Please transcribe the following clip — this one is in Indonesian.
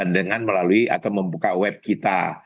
dengan melalui atau membuka web kita